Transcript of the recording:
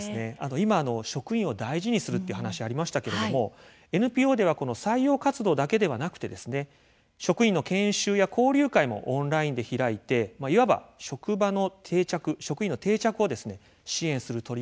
今職員を大事にするっていう話ありましたけれどもＮＰＯではこの採用活動だけではなくてですね職員の研修や交流会もオンラインで開いてまあいわば職場の定着職員の定着を支援する取り組みも進めています。